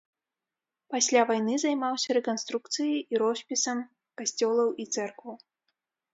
Пасля вайны займаўся рэканструкцыяй і роспісам касцёлаў і цэркваў.